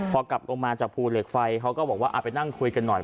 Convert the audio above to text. พอกลับลงมาจากภูเหล็กไฟเขาก็บอกว่าเอาไปนั่งคุยกันหน่อย